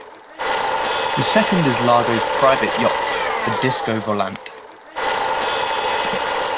The second is Largo's private yacht, the "Disco Volante".